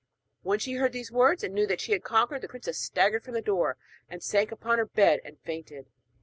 When she heard these words and knew that she had conquered, the princess staggered from the door, and sank upon her bed and fainted.